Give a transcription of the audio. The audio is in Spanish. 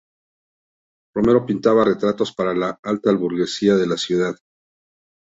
Romero pintaba retratos para la alta burguesía de la ciudad.